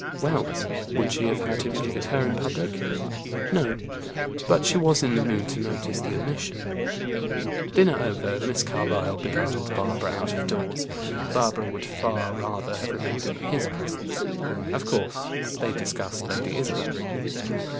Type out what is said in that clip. Well, would she have had him give it her in public? No; but she was in the mood to notice the omission. Dinner over, Miss Carlyle beguiled Barbara out of doors. Barbara would far rather have remained in his presence. Of course they discussed Lady Isabel.